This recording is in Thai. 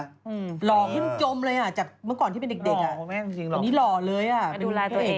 หล่อขึ้นจมเลยอ่ะจากเมื่อก่อนที่เป็นเด็กอ่ะอันนี้หล่อเลยอ่ะดูแลตัวเอง